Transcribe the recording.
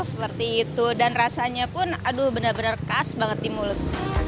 seperti itu dan rasanya pun aduh benar benar khas banget di mulut